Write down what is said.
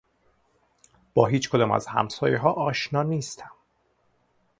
با هیچکدام از همسایهها آشنا نیستم.